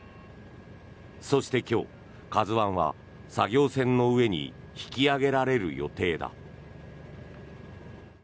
そして、今日「ＫＡＺＵ１」は作業船の上に引き揚げられる予定だ。